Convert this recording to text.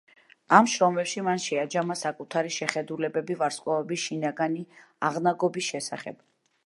ამ შრომებში მან შეაჯამა საკუთარი შეხედულებები ვარსკვლავების შინაგანი აღნაგობის შესახებ.